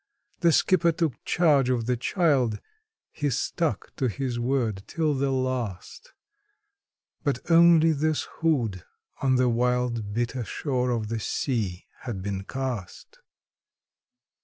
The skipper took charge of the child he stuck to his word till the last; But only this hood on the wild, bitter shore of the sea had been cast.